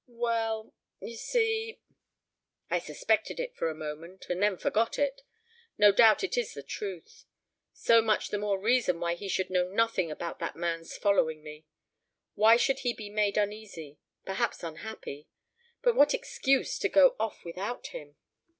"Well you see " "I suspected it for a moment and then forgot it. No doubt it is the truth. So much the more reason why he should know nothing about that man's following me. Why should he be made uneasy perhaps unhappy? But what excuse to go off without him?"